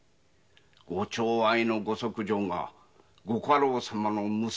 ごちょう愛のご側女がご家老様の娘